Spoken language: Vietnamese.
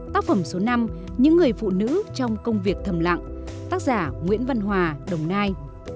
tác phẩm số năm những người phụ nữ trong công việc thầm lặng tác giả nguyễn văn hòa đồng nai